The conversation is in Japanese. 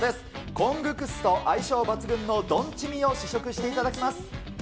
コングクスと相性抜群のドンチミを試食していただきます。